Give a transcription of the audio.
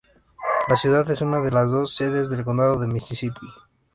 La ciudad es una de las dos sedes del Condado de Misisipi.